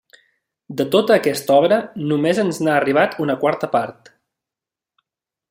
De tota aquesta obra, només ens n'ha arribat una quarta part.